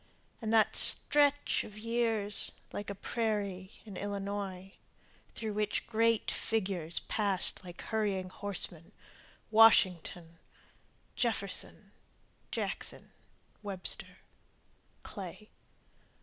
And that stretch of years like a prairie in Illinois Through which great figures passed like hurrying horsemen, Washington, Jefferson, Jackson, Webster, Clay.